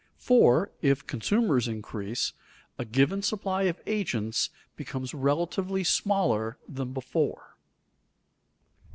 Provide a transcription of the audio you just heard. For, if consumers increase, a given supply of agents becomes relatively smaller than before.